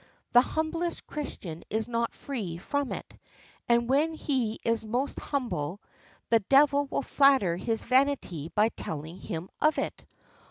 The humblest Christian is not free from it, and when he is most humble the devil will flatter his vanity by telling him of it.